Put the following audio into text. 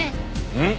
うん？